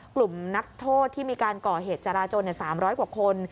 กลุ่มนักโทษที่มีการก่อเหตุจราจน๓๐๐กว่าคน